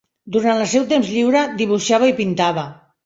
Durant el seu temps lliure, dibuixava i pintava.